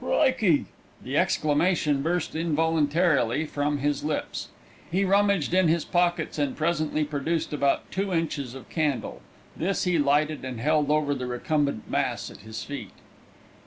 "Crikey!" The exclamation burst involuntarily from his lips. He rummaged in his pockets and presently produced about two inches of candle; this he lighted and held over the recumbent mass at his feet.